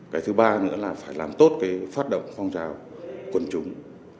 cái thứ ba nữa là phải làm tốt cái phát động phong trào quân chúng